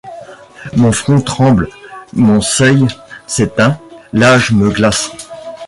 Mon front tremble, mon ceil s'éteint, l'âge me glace ;